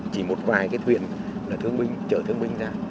chỉ một vài cái thuyền là thương binh chở thương binh ra